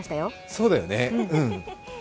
そうだよね、うん。